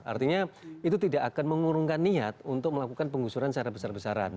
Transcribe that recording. artinya itu tidak akan mengurungkan niat untuk melakukan penggusuran secara besar besaran